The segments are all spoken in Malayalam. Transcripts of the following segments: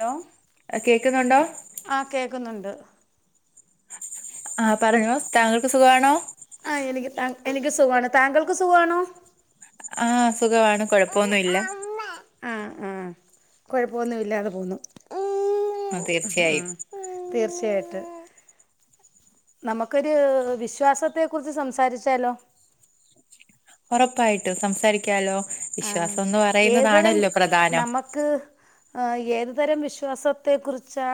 ഹലോ ആ കേക്കുന്നുണ്ടോ ആ കേൾക്കുന്നുണ്ട് ആ പറഞ്ഞോ താങ്കൾക്ക് സുഖാണോ ആ എനിക്ക് ത എനിക്ക് സുഖാണ് താങ്കൾക്ക് സുഖാണോ ആ സുഖമാണ് കുഴപ്പൊന്നുല്ല. ആ ആ കൊഴപ്പൊന്നും ഇല്ലാതെ പോന്നു. ആ തീർച്ചയായും [inaudible] നമ്മക്ക് ഒരു വിശ്വാസത്തെ കുറിച്ച് സംസാരിച്ചാലോ ഉറപ്പായിട്ട് സംസാരിക്കാലോ ആ വിശ്വാസം എന്ന് ഏതരം പറയുന്നതാണല്ലോ പ്രധാനം നമ്മക്ക് ആ ഏതു തരം വിശ്വാസത്തെ കുറിച്ചാ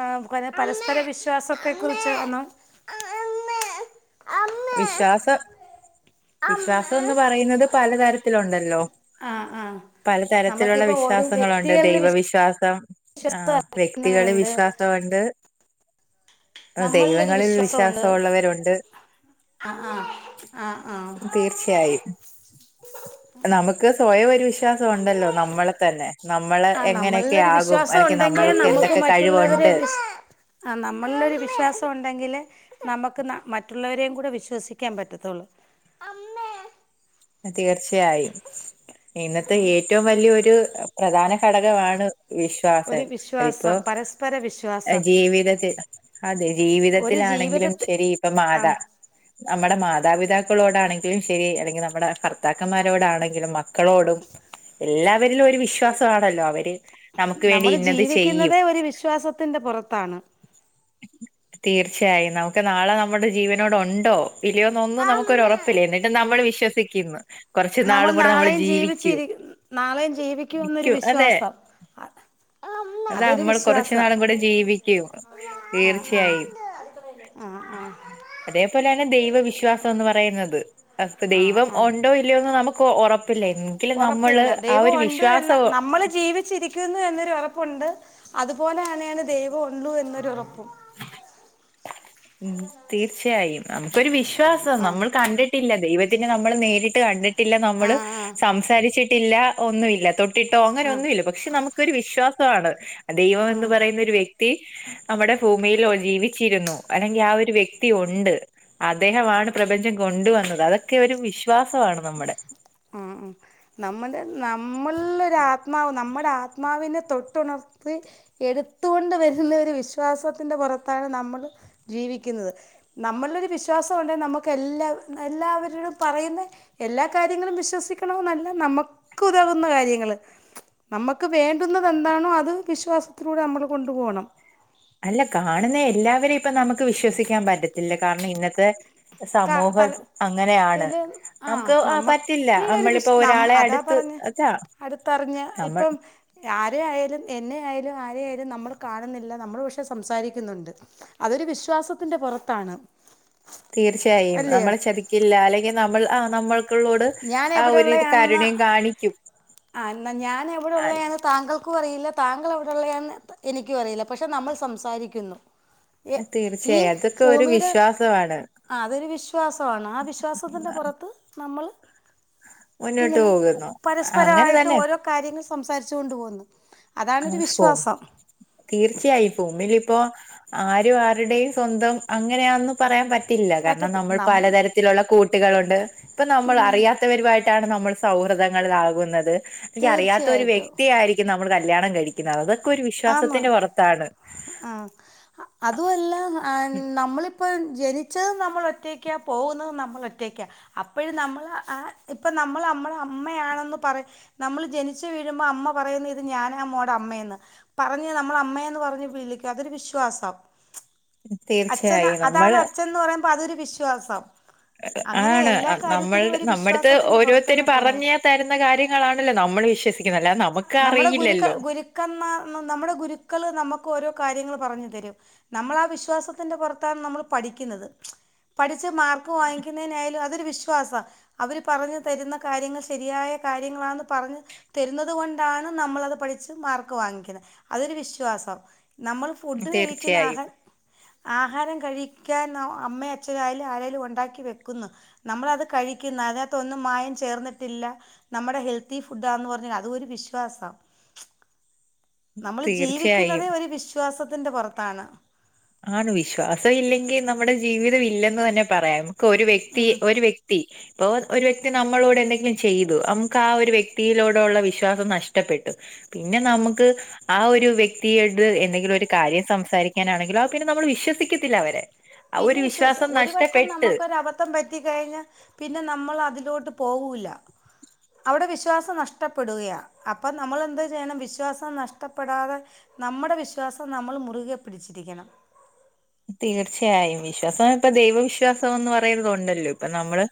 പരസ്പരം വിശ്വാസത്തെ കുറിച്ചാണോ. വിശ്വാസം വിശ്വാസൊന്ന് അമ്മ പറയുന്നത് പലതരത്തിലുണ്ടല്ലോ ആഹ് ആഹ് പലതരത്തിലുള്ള നമുക്കിപ്പോ ഓരോ വിശ്വാസങ്ങളണ്ട് വ്യക്തികളിൽ ദൈവവിശ്വാസം ആ.. വിശ്വാസം വ്യക്തികള് അർപ്പിക്കുന്നവരുണ്ട് വിശ്വാസമുണ്ട് നമ്മളിലൊരു ദൈവങ്ങളിൽ വിശ്വാസമുണ്ട് വിശ്വാസമുള്ളവരുണ്ട് ആഹ് ആഹ് ആഹ് ആഹ് തീർച്ചയായും നമക്ക് സൊയവൊര് വിശ്വാസമുണ്ടല്ലോ നമ്മളെ തന്നെ നമ്മള് ആഹ് നമ്മളിലൊരു എങ്ങനെയൊക്കെയാകും അല്ലെങ്കിൽ നമ്മൾക്ക് എന്തൊക്കെ കഴിവുണ്ട് ന്റെവിശ് അ നമ്മളിലൊരു വിശ്വാസവുണ്ടെങ്കിലെ നമക്ക് ന മറ്റുള്ളവരേംകൂടി കൂടെ വിശ്വസിക്കാൻ പറ്റത്തുള്ളൂ അമ്മേ. തീർച്ചയായും ഇന്നത്തെ ഏറ്റവും വലിയൊ ഒരു പ്രധാന ഘടകമാണ് ഒരു വിശ്വാസം അതിപ്പൊ വിശ്വാസം പരസ്പര എ വിശ്വാസം ജീവിതത്തിൽ അതെ ഒരു ജീവിതത്തിലാണെങ്കിലും ജീവിതത്തി ശരി ഇപ്പൊ ആഹ് മാതാ നമ്മുടെ മാതാപിതാക്കളോടാണെങ്കിലും ശരി അല്ലെങ്കിൽ ന മ്മടെ ഭർത്താക്കന്മാരോട ആണെങ്കിലും മക്കളോടും എല്ലാവരിലും ഒരു വിശ്വാസവാണല്ലോ അവര് നമുക്ക് വേണ്ടി നമ്മള് ഇന്നത് ചെയ്യും ജീവിക്കുന്നതേ ഒരു വിശ്വാസത്തിന്റെ പുറത്താണ് തീർച്ചയായും നമുക്ക് നാളെ നമ്മുടെ ജീവനോടെഉണ്ടോ ഇല്ലിയോന്നൊന്നും നമുക്കൊരുറപ്പില്ല എന്നിട്ടും നമ്മൾ വിശ്വസിക്കുന്നു. കുറച്ചു നമ്മൾ നാളും കൂടെ നാളെയും ജീവിക്കും ജീവിച്ചിരി നാളെയും ജീവിക്കുമെന്നൊരു വിശ്വാസം അതെ അതാമ്മള് കുറച്ചുനാളുംകൂടെ ജീവിക്കും ആ ആ തീർച്ചയായും ആ ആ അതെ അതുപോലെണ് ദൈവവിശ്വാസന്ന് പറയുന്നത് ആ ദൈവം ആ ഉണ്ടോ ഇല്ല്യോന്ന് നമുക്ക് ഉറപ്പ ഉറപ്പില്ല ദൈവൊണ്ട് എന്ന് വിശ്വാസം നമ്മള് ജീവിച്ചിരിക്കുന്നുന്നൊരു ഉറപ്പുണ്ട് അതുപോലെആണ്ആണ് ദൈവൊഉള്ളൂ എന്നൊരു ഉറപ്പും ഉം തീർച്ചയായും നമുക്കൊരു വിശ്വാസം ആ നമ്മൾ കണ്ടിട്ടില്ല ദൈവത്തിന് നമ്മള് നേരിട്ട് കണ്ടിട്ടില്ല ആ നമ്മള് ആ സംസാരിച്ചിട്ടില്ല ഒന്നുമില്ല തൊട് ട്ടിട്ടോ ആ അങ്ങനൊന്നുമില്ല പക്ഷെ നമുക്ക് ഒരു വിശ്വാസവാണ് ദൈവമെന്ന് ആ പറയുന്ന ഒരു വ്യക് വെക്തി നമ്മടെ ഭൂമിയിലോ ജീവിച്ചിരുന്നൊ വേണെങ്കി ആ.. ഒരു വ്യക്തി ഉണ്ട് അദ്ദേഹമാണ് പ്രപഞ്ചം കൊണ്ടുവന്നത് അതൊക്കെ ഒരു വിശ്വാ മ് നമ്മള് നമ്മളിലൊരാത്മാവ് നമ്മുടെ ആത്‌ ആത്മാവിനെ തൊട്ടുണർത്തി എടുത്തുകൊണ്ട് വരുന്നൊരു വിശ്വാസത്തിൻ്റെ പുറത്താണ് നമ്മള് ജീവിക്കുന്നത് നമ്മളിലൊരു വിശ്വാസമുണ്ടെ നമുക്ക് എല്ലാ എല്ലാവരിലും പറയുന്നെ എല്ലാ കാര്യങ്ങളും വിശ്വസിക്കണമെന്നല്ല നമക്ക് ഉതകുന്ന കാര്യങ്ങള് നമ്മക്ക് വേണ്ടുന്നതെന്താണോ അത് വിശ്വാസത്തിലൂടെ നമ്മള് കൊണ്ടുപോണം അല്ലെ കാണുന്ന എല്ലാവരെപ്പൊ നമുക്ക് വിശ്വസിക്കാൻ പറ്റത്തില്ല കാരണം ഇന്നത്തെ ക സമൂഹം പല അങ്ങനെയാണ് ത്തിൽ ആ നമുക്ക് അ പറ്റില്ല നമുക്കുള്ളൊരു നമ്മളിപ്പോ ഒരാളെ അടുത്ത് അതാആ അടുത്തറിഞ്ഞ ഇപ്പം ആരെയായാലും എന്നെയാലും ആ രെ ഏലും നമ്മള് കാണുന്നില്ലനമ്മള് പക്ഷെ സംസാരിക്കുന്നുണ്ട് അതൊരു വിശ്വാസത്തിന്റെ പുറത്താണ് [inaudible] തീർച്ചയായും അല്ലയോ നമ്മളെ ചതിക്കില്ല അല്ലെങ്കിനമ്മൾ ആ നമ്മൾ ക്കളോട് ഞാൻ ആ ഒരിത് കരുണയും കാണിക്കും ആന്ന ആ, ഞാന്വ്ടെള്ളയാന്ന് താങ്കൾക്കും അറിയില്ല താങ്കളെവിടെയുള്ളതാന്ന് എനിക്കും അറിയില്ല പക്ഷെ നമ്മൾ സംസാരിക്കുന്നു എ ഈ തീർച്ചയായും അതൊക്കെ ഒരു [unintelligible] വിശ്വാസമാണ് അ അതൊരു വിശ്വാസമാണ് ആ വിശ്വാസത്തിന്റെ പുറത്ത് നമ്മൾ മുന്നോട്ട് ഇങ്ങനെ പോകുന്നു അങ്ങനെ പരസ്പരായിട്ട് തന്നെ ഓരോ കാര്യങ്ങൾ സംസാരിച്ചു കൊണ്ട് പോകുന്നു അതാണൊരു അൺഫോ വിശ്വാസം തീർച്ചയായി ഫോമിലിപ്പോ ആരും ആരുടെയും സ്വന്തം അങ്ങനെയാന്ന് പറയാൻ പ [unintelligible] ത്തില്ല കാരണം പറ്റത്തി നമ്മൾ നം പലതരത്തിലുള്ള കൂട്ടികളുണ്ട് ഇപ്പ നമ്മൾ പിന്നെ അറിയാത്തവരുമായിട്ട് ഇതാണ് നമ്മൾ സൗഹൃദങ്ങളിൽ ആകുന്നത് എനിക്കറിയാത്തഒരു തീർച്ചയായിട്ടും വൃക്തി ആയിരിക്കും നം കല്യാണം കഴിക്കുന്ന [unintelligible] ആ മ ആ അതുല്ല [unintelligible] നമ്മളി പ്പയും ജനിച്ചതും നമ്മൾ ഒറ്റക്ക്യ പോകുന്നതും നമ്മൾ ഒറ്റക്ക്യ അപ്പോഴും നമ്മൾ ഹ ഇപ്പം [unintelligible] നമ്മള് അമ്മളെ അമ്മയാണെന്ന്പറനമ്മള് ജനിച്ചു വീഴുമ്പോ അമ്മ പറയുന്നിത് ഞാന മോടെ അമ്മയെന്ന് പറഞ്നമ്മള് അമ്മയന്ന് പറഞ്ഞ് വിളിക്ക്യ, അതൊരു വിശ്വാസം. അച്ഛൻ തീർച്ചയായും അതാണ് നമ്മള് അച്ഛൻന്ന് പറയുമ്പോ, അതൊരു വിശ്വാസം. അങ്ങനെ ആണ് എല്ലാ കാര്യത്തിനും നമ്മൽടെ ഒരു നമ്മടത്ത്, വിശ്വാസത്തിന്റെ ഓരോരുത്തര് പുറത്താണ് പോന്നെ പറഞ്ഞി തരുന്ന കാര്യങ്ങളാണല്ലോ. നം നമ്മള് വിശ്വിക്കുന്നത് അല്ലാതെ നം നമ്മുടെ ഗുരുക്ക ഗുരുക്കമ്മാ നമ്മുടെ ഗുരുക്കൾ നമുക്ക് ഓരോ കാര്യങ്ങൾ പറഞു തരും. നമ്മൾ ആ വിശ്വാസത്തിന്റെ പുറത്താണ് നമ്മൾ പഠിക്കുന്നത്. [unintelligible] പഠിച്ച് മാർക്ക് വാങ്ങിക്കുന്നതിനായാലും, അതൊരു വിശ്വാസ അവര് പറഞ്ഞു തരുന്ന കാര്യങ്ങ ശരിയായ കാര്യങ്ങളാന്ന് പറഞ്ഞു തരുന്നതു അതുകൊണ്ടാണ് നമ്മളത് പഠിച്ച് മാർക്ക് വാങ്ങിക്യുന്നെ. അതൊരു വിശ്വാസം. നമ്മള് ഫുഡ് കഴിക്കുന്ന തീർച്ചയായും ആഹാ ആഹാരം കഴിക്ക്യാൻ അമ്മയെ അച്ഛനായാലും ആരേലും ഉണ്ടാക്കി വെക്കുന്നു. നമ്മളത് കഴിക്കുന്ന അതിനകത്തൊന്നും മായം ചേർന്നിട്ടില്ല നമ്മടെ ഹെൽത്തി ഫുഡാന്ന് പറഞ്ഞ് അരുവിശ്വാസം. നമ്മൾ തീർച്ചയായും ജീവിക്കുന്നതേ ഒരു വിശ് [unintelligible] വിശ്വാസത്തിന്റെ പുറത്താണ്. ആണ് വിശ്വാസം. ഇല്ലെങ്കിൽ നമ്മുടെ ജീവിതം ഇല്ലെന്ന് തന്നെ പറയാമം ക്കൊരുവ്യക്തി ഉം. ഒരു വ്യക്തി, [unintelligible] ഒരുവ്യക്തിനമ്മളോട്എന്തെങ്കിലും ചെയ്തു. നമുക്ക് ആഒരുവ്യതിയിലോടുള്ള വിശ്വാസംനഷ്ടപ്പെട്ടു. പിന്നെ. നമുക്ക് ആ ഒരു വ്യക്തിയായിട്ട്. എന്തെങ്കിലും ഒരു കാര്യം സംസാരിക്കാനാണെങ്കിലോ ആ പിന്നെ, നമ്മള് വിശ്വസിക്കത്തില്ല അവരെ. പിന്നെ ഒരു വിശ് വിശ്വാസം ഒരു വട്ടം നഷ്ടപ്പെട്ട് നമുക്കൊരബദ്ധം പറ്റ കഴിഞ്ഞ, പിന്നെ നമ്മൾ അതിലോ പോകൂല്ല. അവിടെ വിശ്വാസം നഷ്ടപ്പെടുകയാ, അപ്പൊ നമ്മൾ എന്ത് ചെയ്യണം? വിശ്വാസം നഷ്ടപ്പെടാതെ. നമ്മുടെ വിശ്വാസം, നമ്മള് മുറുകെ പിടിച്ചിരിക്കണം. തീർച്ചയായും, വിശ്വാസം ഇപ്പ ദൈവവിശ്വാസംന്ന് പറയുന്നണ്ടല്ലോ. അപ്പ നമ്മള്.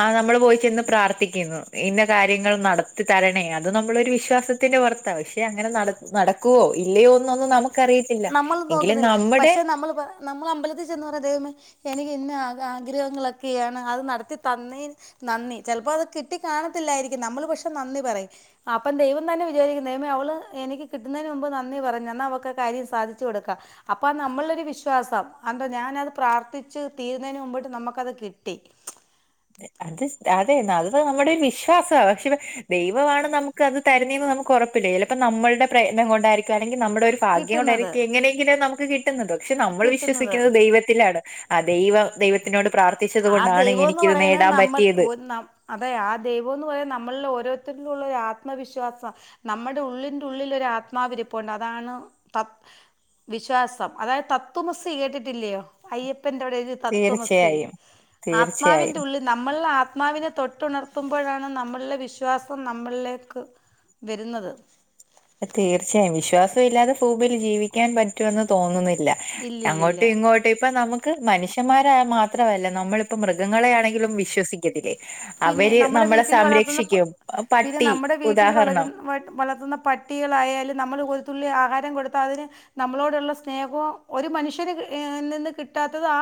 ആ നമ്മള് പോയി. ന്ന്പ്രാർത്ഥിക്കുന്നു, ഇന്നകാര്യങ്ങൾനടത്തി തരണേ അത് നമ്മളൊ ഒരു വിശ്വാസത്തിന്റെ പുറത്ത. പക്ഷെ അങ്ങ നട നടക്കുവോ, ഇല്ലയോന്നൊന്നും നമുക്ക്റിയത്തില്ല എങ്കിലും നമ്മുടെ നമ്മള് അമ്പലത്തിൽ ചെന്ന് പറ ദൈവേ മേ എനിക്ക് ഇന്ന ആഗ്രഹങ്ങളൊക്കെയാണ് അത് നടത്തി തന്നേന്. നന്ദി ചിലപ്പോ അത് കിട്ടി കാണത്തില്ലായിരിക്കും. നമ്മൾ പക്ഷെ നന്ദി പറയും. അപ്പം ദൈവം തന്നെ വിചാരിക്കുന്ന ദൈവമേ എനിക്ക് കിട്ടുന്നതിന് മുമ്പ് നന്ദി പറഞ്ഞു. എന്നാൽ അവക്കെ കാര്യം സാധിച്ചു കൊടുക്കാം. അപ്പൊ നമ്മളൊ ഒരു വിശ്വാസം അ ഞാനത് പ്രാർത്ഥിച്ച് തീരുന്നതിന് മുമ്പ് നമുക്കത് കിട്ടി. അത്. അതെ അത് നമ്മുടെ വിശ്വാസ പക്ഷെ ദൈവമാണ് നമുക്ക് അത് തരുന്നെ നമക്ക്ഉറപ്പില്ല. ചപ്പോ നമ്മുടെ പ്രയത്നം കൊണ്ടായിരിക നമ്മുടെ ഒരു ഭാഗ്യം കിട്ടുന്നത് കൊണ്ടായിരിക്കും. എങ്ങനെയെങ്കിലും നമുക്ക് കിട്ടുന്നത് പക്ഷെ നമ്മൾ കിട്ടുന്നത് വിശ്വസിക്കുന്നത് ദൈവത്തിലാണ്. ആ ദൈവം, ദൈവത്തിനോട് പ്രാർത്ഥിച്ചത് കൊണ്ടാണ് എനി [unintelligible] പറയ നമ്മ അതെ ആ ദൈവം എന്ന് പറയുന്നത്. നമ്മളിൽ ഓരോരുത്ത ള്ള ആത്മവിശ്വാസം നമ്മുടെ ഉള്ളിന്റെ ഉള്ളിൽ ഒരു ആത്മാവിരി പുണ്ട് അതാണ് ത്വ വിശ്വാസം, അതായത് തത്തുമസി കേട്ടിട്ടില്ലയോ? അയ്യപ്പന്റെ അവിടെ ഒരു തത്തുമസി. തീർച്ചയായും ആത്മാവിന്റെ തീർച്ചയായും ഉള്ളിൽ നമ്മൾ ആത്മാവിനെ തൊട്ടുണർത്തുമ്പോഴാണ്, നമ്മളുടെ വിശ്വാസം നമ്മളിലേക്ക് വരുന്നത്. തീർച്ചയായും, വിശ്വാസ ഇല്ലാതെ ഫുമിൽ ജീവി ക്കാൻ പറ്റുമന്ന് തോന്നുന്നില്ല അങ്ങോട്ടും ഇല്ലില്ലില്ല ഇങ്ങോട്ടും ഇപ്പൊ നമു നമക്ക് മനുഷ്യന്മാര മാത്രമല്ല നമ്മളിപ്പ മൃഗങ്ങളെ ആണെങ്കിലും വിശ്വസിക്കതില്ലേ. പിന്നെ നമ്മുടെ വീട്ടിൽ വളർത്തുന്ന പ പിന്നെ പട്ടി നമ്മുടെ വീട്ടിൽ ഉദാഹരണം വരുന്ന വളത്തുന്ന പ- പട്ടികളായാലും നമ്മള് ഒരു തുള്ളി ആഹാരം കൊടുത്താതിന് നമ്മളോടുള്ള സ്നേഹവും ഒരു മനുഷ്യന് നിന്ന് കിട്ടാത്തത് ആ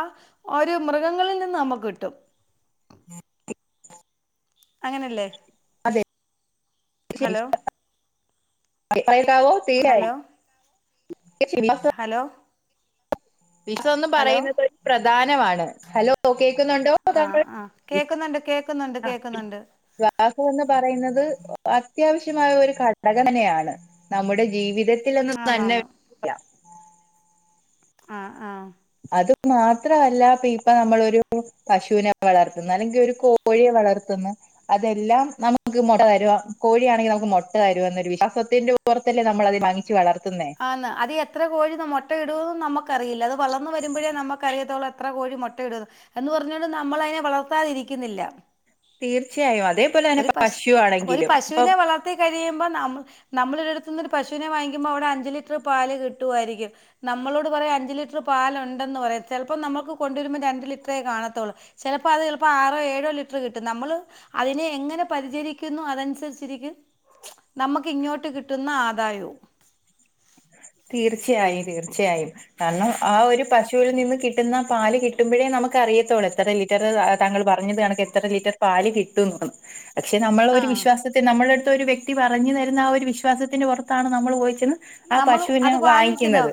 ഒരു മൃഗങ്ങളിൽ നിന്ന് നമ്മുക്കിട്ടും അങ്ങനല്ലേ അതെ ശരിയ ഹലോ കേക്കാവോ ഹലോ [unintelligible] [inaudible] ഹലോ വിശോന്ന് ഹലോ പറയുന്നത് പ്രധാനവാണ് ഹലോ കേക്കുന്നൊണ്ടോ ആ താങ്കൾ ആ കേൾക്കുന്നുണ്ട് കേൾക്കുന്നുണ്ട് ആഹ് കേൾക്കുന്നുണ്ട് വിവാഹോന്ന് പറയുന്നത് അത്യാവശ്യമായ ഒരു ഘടകം ന്നെയാണ് നമ്മുടെ ജീവിതത്തി- [unintelligible] തന്നെ ആന്നാന്ന് വിക്ക ആഹ് ആഹ് അത് മാത്രവല്ല ഇപ്പ നമ്മളൊരു പശൂനെ വളർത്തുന്നു അല്ലെങ്കിൽ ഒരു കോഴിയെ- വളർത്തുന്നു അതെല്ലാം നമുക്ക് മ്മടൊരു കോഴിയാണെങ്കി നമുക്ക് മുട്ടതരൂന്നൊരു വിശ്വാസതി- പൊറത്തല്ലെ നമ്മളത് വാങ്ങിച്ച വളർത്ത്- ആന്ന് അതി എത്രകോഴി മൊട്ടയിടൂന്ന് നമ്മക്ക്- ക്കറിയില്ല അത് വളർന്ന് വരുമ്പോഴെ നമ്മക്കറിയത്തൊളെത്ര കോഴി മൊട്ടയിടൂന്ന് എന്ന് പറഞ്ഞപോലെ നമ്മളതിനെ വളർത്താതിരിക്ക- ക്കുന്നില്ല തീർച്ചയായും അതേപോലെ തന്നെ ഒരു പശു ഒരു ആണെങ്കിലും ഇപ്പം പശൂനെ വളർത്തി കഴിയുമ്പോ നമ്മ- നമ്മളൊരിടത്ത്ന്ന് ഒരു പശൂനെ വാങ്ങിക്കുമ്പോ അവിടഞ്ച- ലിറ്റർ പാല് കിട്ടുവാരിക്കും നമ്മളോട് പറയാ അഞ്ചു ലിറ്റർ പാലൊണ്ടെന്ന് പറയാ ചിലപ്പ നമുക്ക് കൊണ്ട- രുമ്പ രണ്ട് ലിറ്ററെേ കാണത്തൊള്ളൂ ചിലപ്പോത് ആറോ ഏഴോ ലിറ്റർ കിട്ടും നമ്മൾ അതിനെ എങ്ങനെ പരി- ചരിക്കുന്നു അതനുസരിച്ചിരിക്കും നമുക്കിങ്ങോട്ട് കിട്ടുന്ന ആദായോം തീർച്ചയായും തീർച്ചയായും കാരണം ആ ഒരു പശുവിൽനിന്ന് കിട്ടുന്ന പാല് കിട്ടുമ്പൊഴേ ന- നമുക്ക് അറിയത്തോളൂ എത്ര ലിറ്റർ താങ്കൾ പറഞ്ഞത് കണക്കിക്ക് എത്ര ലിറ്റർ പാല് കിട്ടുന്നൂന്ന് പക്ഷെ നമ്മളൊരു ആ വിശ്വാസത്തി നമ്മളടുത്തൊരു വ്യക്തി പറഞ്ഞു തരുന്ന ആ ഒരു വിശ്വാസത്തിന്റെ പൊറത്താണ് നമ്മളോയിച്ചത് നമ്മൾ അത് വാങ്ങിക്കനോ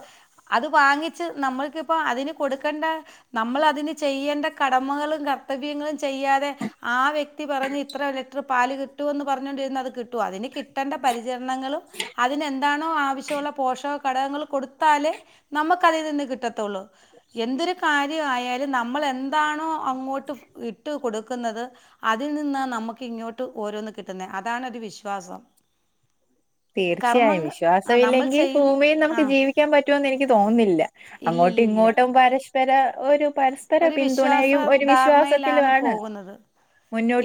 അത് വാങ്ങിച്ച് നമ്മക്ക് അപ്പൊ അതിന് കൊടുക്കണ്ട നമ്മളതിന് ചെയ്യേണ്ട കടമകളും കർത്തവ്യങ്ങളും ചെയ്യാതെ ആ വ്യക്തി പറഞ്ഞ് ഇത്ര ലിറ്റർ പാല് കിട്ടുവെന്ന് പറഞ്ഞോണ്ടിരുന്ന അത് കിട്ടുവാ അതിന് കിട്ടണ്ട പരി- ജിർണങ്ങളും അതിനെന്താണോ ആവശ്യവൊള്ള പോഷക- ഘടകങ്ങൾ കൊടുത്താലേ നമ്മക്ക് അതിനിന്ന് കിട്ടത്തൊള്ളൂ എന്തൊരു കാര്യ ആയാലും നമ്മൾ എന്താണോ അങ്ങോട്ട് ഇട്ട് കൊടുക്കുന്നത് അതിൽ നിന്നനമക്ക് ഇങ്ങോട്ട് ഓരോന്ന് കി- [unintelligible] അതാണൊരു വിശ്വാസം തീർച്ചയായും കർമ്മങ്ങൾ ആ നമ്മൾ വിശ്വാസവില്ലെങ്കി ചെയ്യും ഭൂമിയി നമുക്ക് ആ ജീവിക്കാൻ പറ്റൂന്ന് എനിക്ക് തോന്നുന്നി- അങ്ങോട്ടും ഇല്ലില്ലില്ല ഇങ്ങോട്ടും പരഷ്പര ഒരു പരസ്പര ഒരു വിശ്വാസ പിന്തുണയും ഒരു ധാരണയിലാണ് വിശ്വാസത്തിലുവാണ് പോകുന്നത്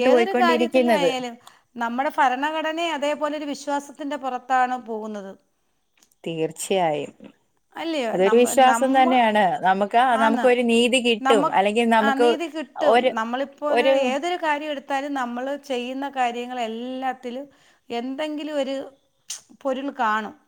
ഏതൊരു കാര്യത്തിലായാലും നമ്മുടെ [unintelligible] അതേപോലൊരു വിശ്വാസ- [unintelligible] പൊറത്താണ് പോവുന്നത് തീർച്ചയായും അല്ലയോ അതൊരു നമ്മ വിശ്വാസം നമ്മ തന്നെയാണ് നമുക്ക് ആണ് നമുക്കൊരു നീതി കിട്ടും നമ്മ അല്ലെങ്കിൽ ആ നമക്ക് നീതി കിട്ടും നമ്മളിപ്പോ ഏതൊരു കാര്യം എടുത്താലും നമ്മൾ ചെയ്യുന്ന കാര്യങ്ങളെല്ലാത്തിലും എന്തെങ്കിലൊരു [unintelligible] പൊരുൾ കാണും [inaudible]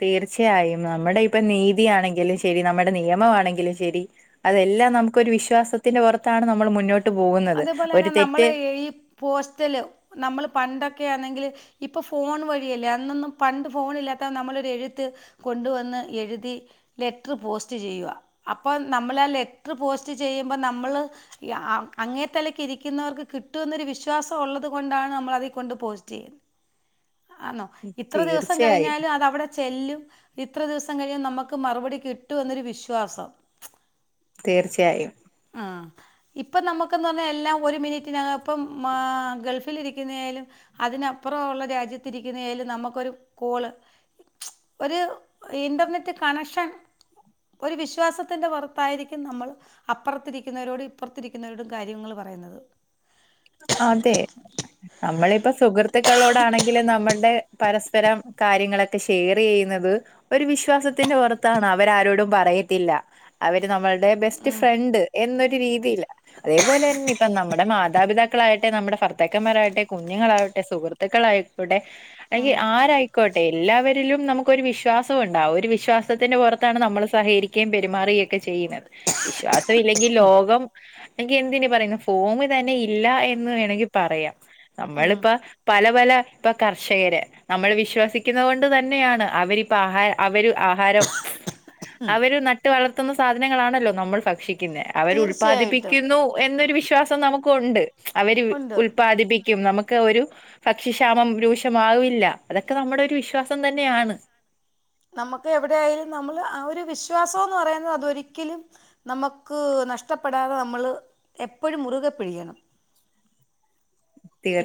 തീർച്ചയായും നമ്മുടെ ഇപ്പോ നീതിയാണെങ്കിലും ശരി നമ്മുടെ നിയമവാണെങ്കിലും ശരി അതെല്ലാ- [unintelligible] നമുക്കൊരു വിശ്വാസത്തിന്റെ പൊറത്താണ് നമ്മൾ മുന്നോട്ട് പോകുന്നത്. ഒരു അതേപോലെന്നെ നമ്മൾ തെറ്റ് ഈ പോസ്റ്റല് നമ്മൾ പണ്ടൊക്കെ ആന്നെങ്കില് ഇപ്പൊ ഫോൺ വഴിയല്ലേ അന്നൊന്നും പണ്ട് ഫോണില്ലാത്ത നമ്മളൊരെഴുത്ത് കൊണ്ടുവന്ന് എഴുതി ലെറ്ററ് പോസ്റ്റ് ചെയ്യുക അപ്പ നമ്മൾ ലെറ്ററ്പോസ്റ്റ്ചെയ്യുമ്പൊ നമ്മൾ ആഹ് അങ്ങേത്തലക്ക് ഇരിക്കുന്നവർക്ക് കിട്ടുന്നൊരു വിശ്വാസം ഒള്ളത് കൊണ്ടാണ് നമ്മളതികൊണ്ട് പോസ്റ്റ് ചെയ്യ്ന്നെ ആന്നോ ഇത്ര ദിവസം തീർച്ചയായും കഴിഞ്ഞാലും അതവിടെ ചെല്ലും ഇത്ര ദിവസം കഴിഞ്ഞാൽ നമുക്ക് മറുപടി കിട്ടുമെന്നൊരു വിശ്വാസം തീർച്ചയായും ആ ഇപ്പം നമുക്കന്ന് പറഞ്ഞാൽ എല്ലാം ഒരു മിനിറ്റിനകപ്പം ആ ഗൾഫിലിരിക്കുന്ന ആയാലും അതിനപ്പുറൊള്ള രാജ്യത്തിരിക്കുന്നായാലും നമ്മക്കൊരു കോള് [unintelligible] ഒരു ഇന്റർനെറ്റ് കണക്ഷൻ ഒരു വിശ്വാസത്തിന്റെ പുറത്തായിരിക്കും നമ്മൾ അപ്പുറത്തിരിക്കുന്നവരോടും ഇപ്പുറത്തിരിക്കുന്നവരോടും കാര്യങ്ങൾ പറയുന്നത് ഇപ്പൊ സുകൃത്തുക്കളോടാണെങ്കിലും നമ്മളുടെ പരസ്പ ഇത്തരം കാര്യങ്ങളൊക്കെ ഷെയർ ചെയ്യുന്നത് ഒരു വിശ്വാസത്തിന്റെ പുറത്താണ് അവരാരോടും പറയത്തില്ല [inaudible] നമ്മളുടെ ബെസ്റ്റ് ഉം, ഫ്രണ്ട് എന്നൊരു രീതിയില്ല അതേപോലെ തന്നെ ഇപ്പം നമ്മുടെ മാതാപിതാക്ക [unintelligible] ക്കളായിട്ടെ നമ്മുടെ ഭർത്താക്കന്മാരാവട്ടെ കുഞ്ഞുങ്ങളാവട്ടെ സുഹൃത്തുക്കളായിക്കോട്ടെ എങ്കി ഉം, ആരായിക്കോട്ടെ എല്ലാവരിലും നമുക്കൊരു വിശ്വാസവുണ്ടാകും ഒരു വിശ്വാസത്തിന്റെ പുറത്താണ് നമ്മൾ സഹരിക്കുകയും പെരുമാറുകയൊക്കെ ചെയ്യുന്നത് വിശ്വാസം ഇല്ലെങ്കിൽ ലോകം എക്ക എന്തിന് പറയുന്ന ഭൂമിതന്നെ ഇല്ല എന്ന് വേണെങ്കിൽ പറയാം ഉം. നമ്മളിപ്പ പല അത് പോലെ ഇപ്പൊ കർഷകര് നമ്മൾ വിശ്വസിക്കുന്ന കൊണ്ട് തന്നെയാണ് അവരിപ്പ ആഹാരം അവര് ആഹാരം [unintelligible] ഉം. അവര് നട്ട് വളർത്തുന്ന സാധനങ്ങളാണല്ലോ നമ്മൾ ഭക്ഷി പിന്നെ അവര് തീർച്ചയായിട്ടും ഉല്പാദിപ്പിക്കുന്നു എന്നൊരു വിശ്വാസം നമുക്കുണ്ട് അവര് ഉണ്ട് ഉൽപാദി [unintelligible] നമുക്ക് ഒരു ഭക്ഷ്യക്ഷാമം രൂക്ഷമാവില്ല അതൊക്കെ നമ്മുടെ ഒരു വിശ്വാസം തന്നെയാണ് [inaudible] നമ്മക്ക് എവിടെ ആയാലും നമ്മൾ ആ ഒരു വിശ്വാസോന്ന് പറയുന്നത് അതൊരിക്കലും നമ്മക്ക് നഷ്ടപ്പെടാതെ നമ്മൾ എപ്പഴും മുറുകെ പിഴിയണം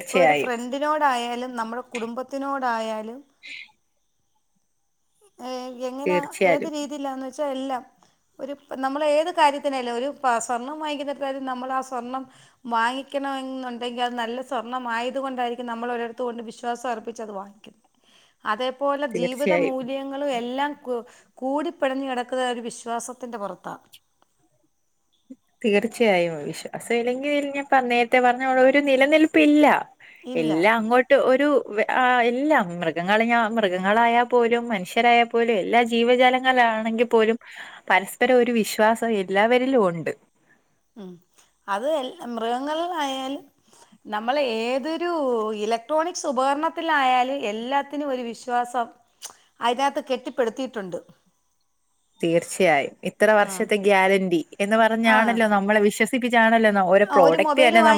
ഇപ്പോ ഒരു ഫ്രണ്ടിനോടായാലും നമ്മടെ കുടുംബത്തിനോടായാലും ഏ എങ്ങനാ ഏത് തീർച്ചയായും രീതിയിലാന്ന് വെച്ചാ എല്ലാം ഒരു പ നമ്മൾ ഏത് കാര്യത്തിനായാലും ഒരു പ സ്വർണം വാങ്ങിക്കുന്ന കാര്യം നമ്മൾ ആ സ്വർണം വാങ്ങിക്ക ണെന്നുണ്ടെങ്കിൽ അത് നല്ല സ് സ്വർണ്ണമായതു കൊണ്ടായിരിക്കും നമ്മൾ ഒരോടത്ത് കൊണ്ട് വിശ്വാസം അർപ്പിച്ച് അത് വാങ്ങിക്കുന്ന. അതേപോലെ ജീവിത തീർച്ചയായും മൂല്യങ്ങളും എല്ലാം. കു കൂടിപിണഞ്ഞു കിടക്കുന്നത് ഒരു വിശ്വാസത്തിന്റെ പുറത്താ തീർച്ചയായും വിശ്വാസമില്ലെങ്കിൽ ഇഞ്ഞ പറഞ്ഞ നേരത്തെ പറഞ്ഞോലെ ഒരു നിലനിൽപ്പില്ല. എല്ലാം ഇല്ല അങ്ങോട്ട് ഒരു ആ എല്ലാം മൃഗങ്ങളഞ്ഞ മൃഗങ്ങളായാ പോലും മനുഷ്യരായാ പോലും എല്ലാ ജീവജാലങ്ങള ആണെങ്കിപോലും പരസ്പരം ഒരു വിശ്വാസം എല്ലാവരിലും ഒണ്ട്. ഉം അത് എല്ല മൃഗങ്ങളിലായാലും നമ്മള് ഏതൊരു ഇലക്ട്രോണിക്സ് ഉപകരണത്തിലായാലും എല്ലാത്തിനും ഒരു വിശ്വാസം പ്പം മച്ച് അതിനകത്ത് കെട്ടിപ്പെടുത്തിയിട്ടുണ്ട്. തീർച്ചയായും ഇത്ര വർഷത്തെ ഗ്യാരന്റി എന്ന് ആ പറഞ്ഞാണല്ലോ നമ്മളെ വിശ്വാസി ണല്ലോ ഓരോ ആ, ഒരു പ്രോഡക്റ്റ് മൊബൈല് തന്നെ വാങ്ങി നമ്മ